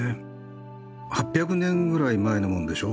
８００年ぐらい前のもんでしょ？